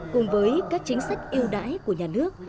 cùng với các chính sách yêu đãi của nhà nước